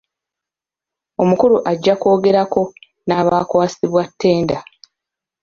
Omukulu ajja kwogerako n'abaakwasibwa ttenda.